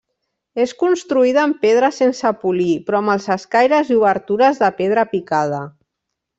És construïda en pedra sense polir però amb els escaires i obertures de pedra picada.